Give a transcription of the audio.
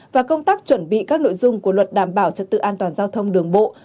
và công tác chuẩn bị các nội dung của luật đảm bảo trật tự an toàn giao thông đường bộ